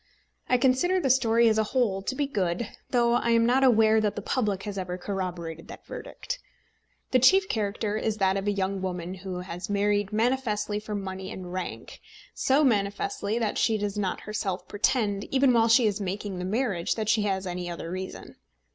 I consider the story as a whole to be good, though I am not aware that the public has ever corroborated that verdict. The chief character is that of a young woman who has married manifestly for money and rank, so manifestly that she does not herself pretend, even while she is making the marriage, that she has any other reason.